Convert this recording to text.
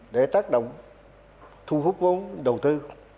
để tác động thu hút vốn đầu tư